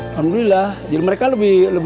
alhamdulillah mereka lebih toleran